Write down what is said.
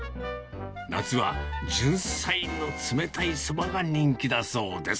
夏はじゅんさいの冷たいそばが人気だそうです。